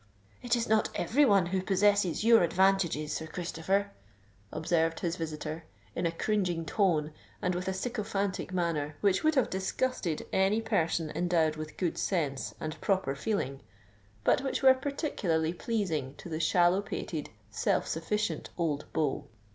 "It is not every one who possesses your advantages, Sir Christopher," observed his visitor, in a cringing tone and with a sycophantic manner which would have disgusted any person endowed with good sense and proper feeling; but which were particularly pleasing to the shallow pated, self sufficient old beau.